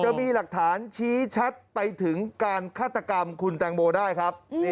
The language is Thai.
จะมีหลักฐานชี้ชัดไปถึงการฆาตกรรมคุณแตงโมได้ครับ